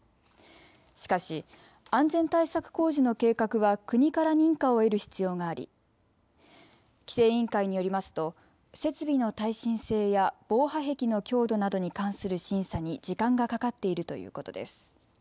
しかし、安全対策工事の計画は国から認可を得る必要があり規制委員会によりますと設備の耐震性や防波壁の強度などに関する審査に時間がかかっているということです。